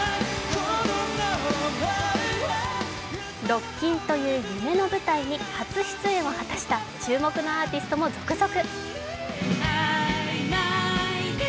ロッキンという夢の舞台に初出演を果たした注目のアーティストも続々。